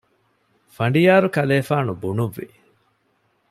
ފަނޑިޔާރު ކަލޭފާނު ބުނުއްވި